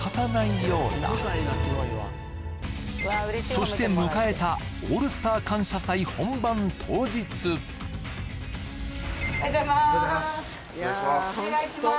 そして迎えた「オールスター感謝祭」本番当日おはようございまーすお願いしまーす